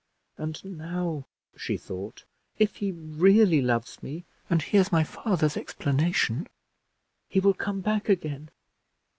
"And now," she thought, "if he really loves me, and hears my father's explanation, he will come back again."